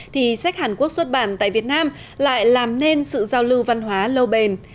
thì sách hàn quốc xuất bản tại việt nam lại làm nên sự giao lưu văn hóa lâu bền